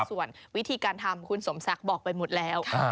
ส่วนวิธีการทำคุณสมศักดิ์บอกไปหมดแล้ว